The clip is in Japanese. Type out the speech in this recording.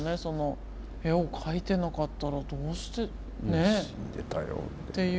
絵を描いてなかったらどうしてねえ？っていう。